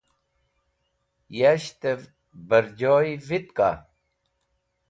Yashtẽv bẽrjoy vitka?